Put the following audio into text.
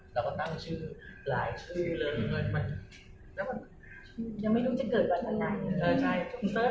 เราก็ตั้งชื่อหลายชื่อยังไม่รู้จะเกิดอะไร